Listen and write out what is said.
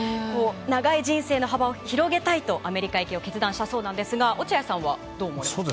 長い人生の幅を広げたいとアメリカ行きを決断したそうですが落合さんはどう思われますか？